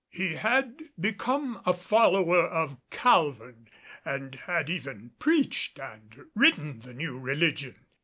He had become a follower of Calvin and had even preached and written the new religion.